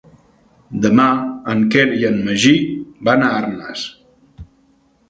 Demà en Quer i en Magí van a Arnes.